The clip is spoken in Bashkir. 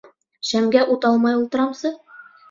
- Шәмгә ут алмай ултырамсы...